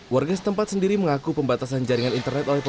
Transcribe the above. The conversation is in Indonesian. warga setempat sendiri mengaku pembatasan jaringan internet oleh pemerintah